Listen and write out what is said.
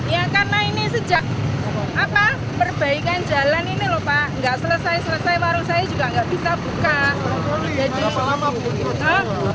ya karena ini sejak perbaikan jalan ini lho pak nggak selesai selesai warung saya juga nggak bisa buka